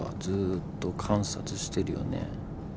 ずーっと観察してるよね。